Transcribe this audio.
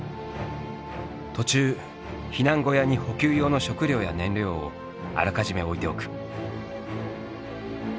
途中避難小屋に補給用の食料や燃料をあらかじめ置いておく。